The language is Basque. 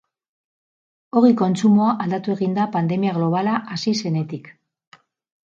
Ogi kontsumoa aldatu egin da pandemia globala hasi zenetik.